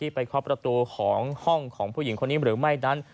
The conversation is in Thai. เคาะประตูของห้องของผู้หญิงคนนี้หรือไม่นั้น